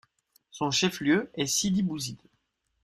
Son chef-lieu est Sidi Bouzid.